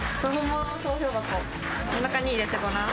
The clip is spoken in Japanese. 中に入れてごらん。